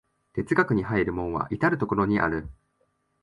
哲学に入る門は到る処にある。